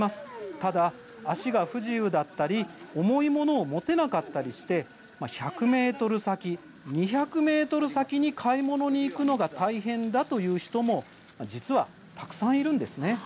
ただ、足が不自由だったり重い物を持てなかったりして１００ｍ先、２００ｍ先に買い物に行くのが大変だという人も実はたくさんいるんです。